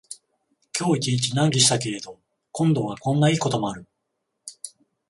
今日一日難儀したけれど、今度はこんないいこともある